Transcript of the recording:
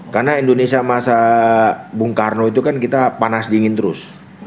karena indonesia masa bung karno itu kan kita panas dingin terus